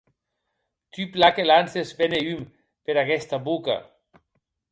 Tu plan que lances vent e hum per aguesta boca.